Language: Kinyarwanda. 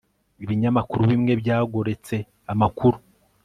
ibinyamakuru bimwe byagoretse amakuru